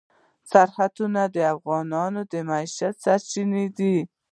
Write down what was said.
سرحدونه د افغانانو د معیشت سرچینه ده.